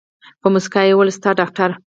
په موسکا يې وويل ستا ډاکتر.